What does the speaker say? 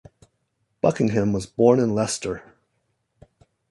Buckingham was born in Leicester.